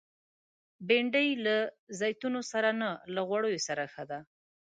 بېنډۍ له زیتونو سره نه، له غوړیو سره ښه ده